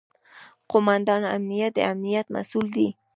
قوماندان امنیه د امنیت مسوول دی